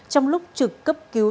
trong lúc trực cấp cứu